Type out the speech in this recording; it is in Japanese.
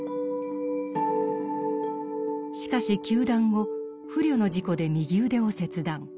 しかし糾弾後不慮の事故で右腕を切断。